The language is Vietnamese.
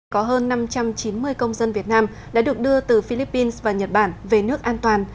có hơn năm trăm chín mươi công dân việt nam đã được đưa từ philippines và nhật bản về nước an toàn